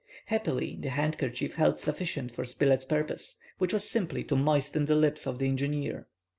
Happily the handkerchief held sufficient for Spilett's purpose, which was simply to moisten the lips of the engineer.